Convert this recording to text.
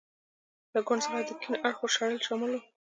له ګوند څخه د کیڼ اړخو شړل شامل و.